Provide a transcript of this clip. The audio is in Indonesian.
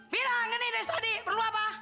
bila gini dari tadi perlu apa